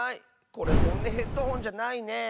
これほんねヘッドホンじゃないね。